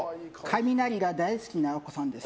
カミナリが大好きなお子さんです。